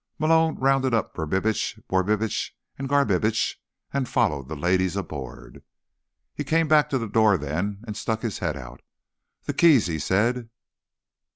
Malone rounded up Brubitsch, Borbitsch and Garbitsch and followed the ladies aboard. He came back to the door then, and stuck his head out. "The keys," he said.